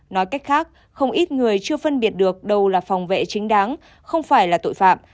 nói cách khác không ít người chưa phân biệt được đâu là phòng vệ chính đáng không phải là tội phạm